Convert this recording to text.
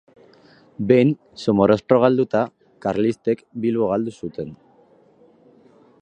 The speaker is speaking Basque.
Behin Somorrostro galduta, karlistek Bilbo galdu zuten.